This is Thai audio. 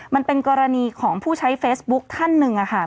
มันเป็นกรณีของผู้ใช้เฟซบุ๊คท่านหนึ่งค่ะ